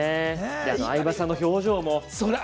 相葉さんの表情も。